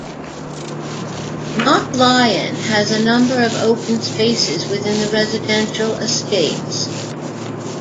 Knocklyon has a number of open spaces within the residential estates.